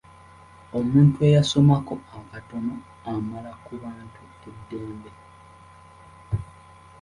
Omuntu eyasomako akatono amala ku bantu eddembe.